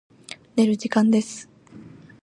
寝る時間です。